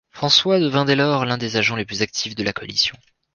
François devint dès lors l'un des agents les plus actifs de la coalition.